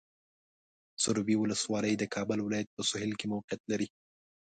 سروبي ولسوالۍ د کابل ولایت په سویل کې موقعیت لري.